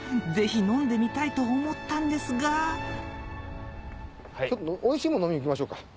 ぜひ飲んでみたいと思ったんですがおいしいもの飲みに行きましょうか。